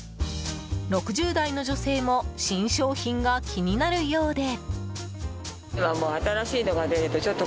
６０代の女性も新商品が気になるようで。